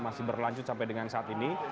masih berlanjut sampai dengan saat ini